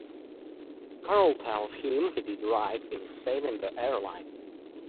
Carl tells him he did right in saving the airline.